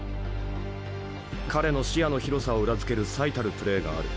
彼の視野の広さを裏づける最たるプレーがある。